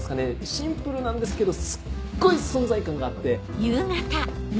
シンプルなんですけどすっごい存在感があって。